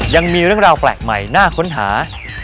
ยังมีเรื่องราวแปลกใหม่น่าค้นหา